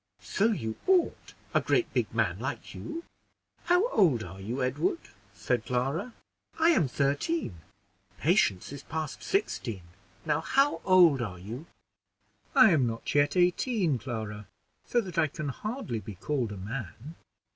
"So you ought, a great big man like you. How old are you, Edward?" said Clara; "I am thirteen; Patience is past sixteen: now, how old are you?" "I am not yet eighteen, Clara, so that I can hardly be called a man."